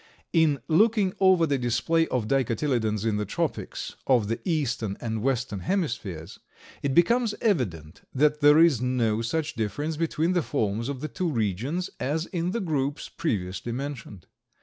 In looking over the display of Dicotyledons in the tropics of the eastern and western hemispheres, it becomes evident that there is no such difference between the forms of the two regions as in the groups previously mentioned.